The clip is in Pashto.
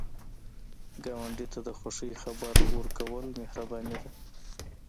ګاونډي ته د خوښۍ خبر ورکول مهرباني ده